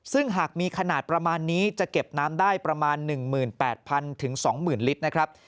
ซึ่งหากมีขนาดประมาณนี้จะเก็บน้ำได้ประมาณ๑๘๐๐๒๐๐ลิตรนะครับ